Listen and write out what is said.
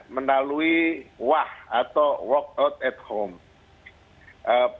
melalui wah atau workout at home